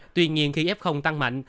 tuy nhiên khi f tăng mạnh